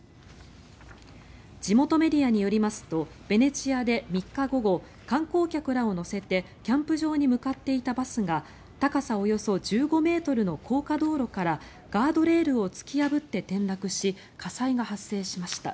地元メディアによりますとベネチアで３日午後観光客らを乗せてキャンプ場に向かっていたバスが高さおよそ１５ｍの高架道路からガードレールを突き破って転落し火災が発生しました。